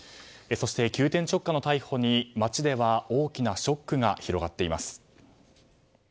そして、急転直下の逮捕に街では大きなショックが広がっています。